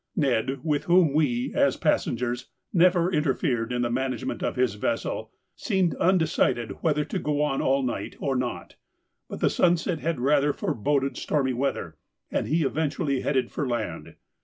Ned, with whom we, as passengers, never interfered in the management of his vessel, seemed undecided whether to go on all night or not, but the sunset had rather foreboded stormy weather, and he eventually headed for land.